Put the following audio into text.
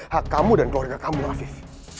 hak kamu dan keluarga kamu afif